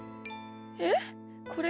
えっこれは？